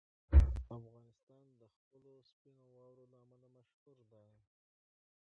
افغانستان د خپلو سپینو واورو له امله مشهور دی.